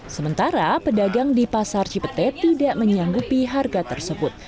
sementara pedagang di pasar cipete tidak menyanggupi harga tersebut